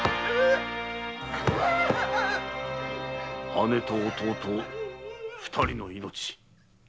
姉と弟二人の命。